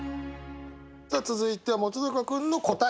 さあ続いては本君の答え。